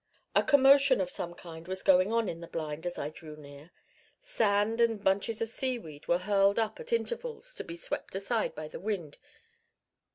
A commotion of some kind was going on in the blind as I drew near. Sand and bunches of seaweed were hurled up at intervals to be swept aside by the wind.